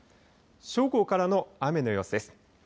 正午からの雨の様子です。